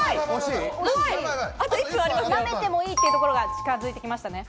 舐めてもいいっていうところが近づいてきましたね。